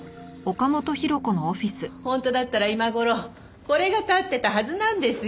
本当だったら今頃これが建ってたはずなんですよ。